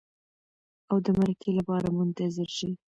او د مرکې لپاره منتظر شئ.